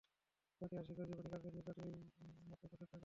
ঐতিহাসিক ও জীবনীকারদের নিকট এই মতই প্রসিদ্ধ ও যথার্থ।